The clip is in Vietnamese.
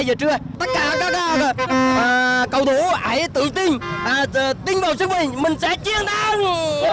tất cả các cầu thủ hãy tự tin tin vào sức mạnh mình sẽ chiến thắng